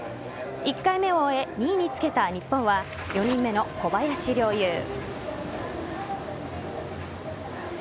１回目を終え２位につけた日本は４人目の小林陵侑。